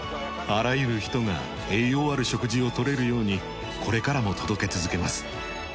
あらゆる人が栄養ある食事を取れるようにこれからも届け続けます。